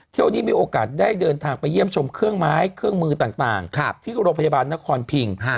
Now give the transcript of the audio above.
เที่ยวนี้มีโอกาสได้เดินทางไปเยี่ยมชมเครื่องไม้เครื่องมือต่างที่โรงพยาบาลนครพิง